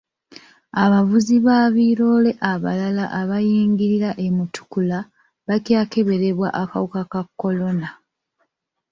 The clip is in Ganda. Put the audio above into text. Abavuzi ba biroole abalala abayingirira e Mutukula bakyakeberebwa akawuka ka kolona.